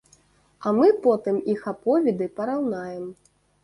А мы потым іх аповеды параўнаем.